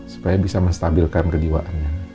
supaya bisa menstabilkan kejiwaannya